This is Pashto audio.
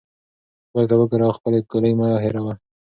خدای ته وګوره او خپلې ګولۍ مه هیروه.